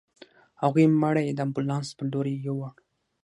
هغوی مړی د امبولانس په لورې يووړ.